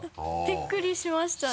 びっくりしました。